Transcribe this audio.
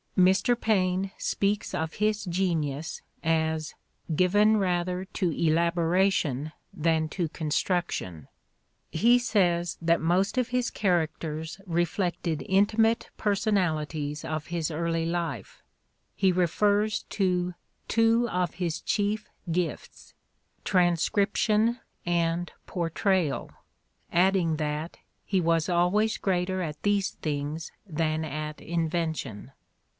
Mr. Paine speaks of his genius as "given rather to elaboration than to construction"; he says that "most of his characters reflected intimate personali ties of his early life"; he refers to "two of his chief gifts — transcription and portrayal," adding that "he was always greater at these things than at invention."